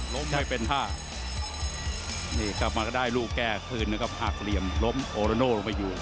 ไม่เป็นท่านี่กลับมาก็ได้ลูกแก้คืนนะครับหักเหลี่ยมล้มโอโรโน่ลงไปอยู่